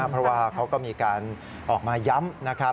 เพราะว่าเขาก็มีการออกมาย้ำ